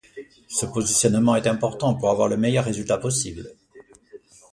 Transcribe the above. Ce positionnement est important pour avoir le meilleur résultat possible.